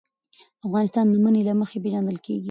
افغانستان د منی له مخې پېژندل کېږي.